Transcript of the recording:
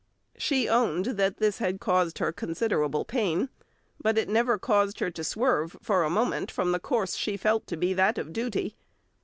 She owned that this "had caused her considerable pain," but it never caused her to swerve for a moment from the course she felt to be that of duty.